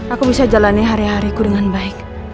aku bisa jalani hari hariku dengan baik